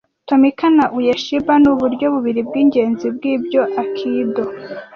Tomika na Uyeshiba nuburyo bubiri bwingenzi bwibyo Aikido